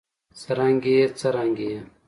سرانګې ئې ، څرانګې ئې